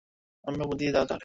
অন্য বুদ্ধি দাও তাহলে।